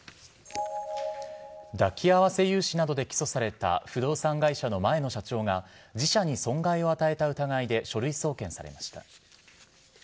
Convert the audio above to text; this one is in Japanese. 抱き合わせ融資などで起訴された不動産会社の前の社長が、自社に損害を与えた疑いで書類送検されました。